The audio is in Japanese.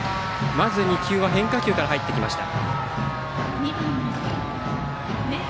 まず２球は変化球から入ってきました。